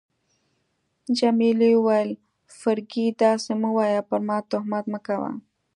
جميلې وويل: فرګي، داسي مه وایه، پر ما تهمت مه کوه.